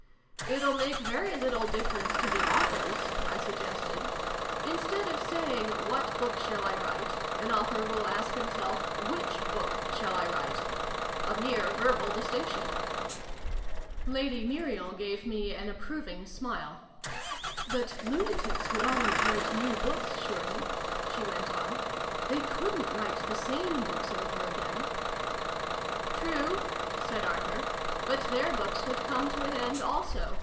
" It'll make very little difference to the authors" I suggested. " Instead of saying ' what book shall I write ?' an author will ask himself ' which book shall I write ?' A mere verbal distinction !" T32 SYLVIE AND BRUNO CONCLUDED. Lady Muriel gave me an approving smile. " But lunatics would always write new books, surely ?" she went on. " They couldnt write the sane books over again !"" True," said Arthur. " But their books would come to an end, also.